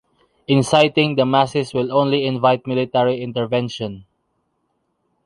Inciting the masses will only invite military intervention.